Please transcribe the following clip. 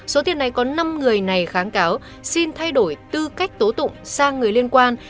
số tiền này có năm người này kháng cáo xin thay đổi tư cách tố tụng sang người liên quan